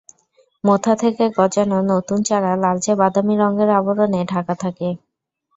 মোথা থেকে গজানো নতুন চারা লালচে বাদামি রঙের আবরণে ঢাকা থাকে।